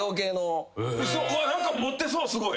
・何か持ってそうすごい。